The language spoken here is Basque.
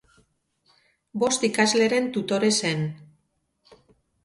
Bost ikasleren tutore zen.